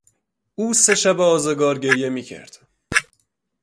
او سه شب آزگار گریه میکرد.